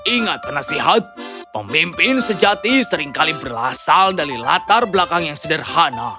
ingat penasihat pemimpin sejati seringkali berasal dari latar belakang yang sederhana